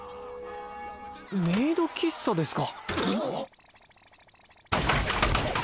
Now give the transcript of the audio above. メイド喫茶ですか。